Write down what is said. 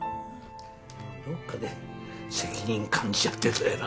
どっかで責任感じちゃってるんだよな。